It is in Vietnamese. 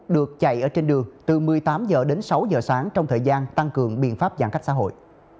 được chạy ở trên đường từ một mươi tám h đến sáu h sáng trong thời gian tăng cường biện pháp giãn cách xã hội